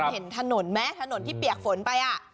เห็นถนนมั้ยถนนที่เปียกฝนไปอ่ะ